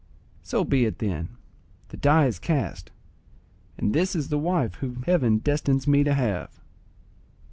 So be it then; the die is cast, and this is the wife whom heaven destines me to have."